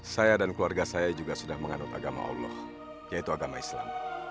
saya dan keluarga saya juga sudah menganut agama allah yaitu agama islam